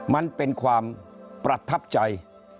มันเป็นความประทับใจ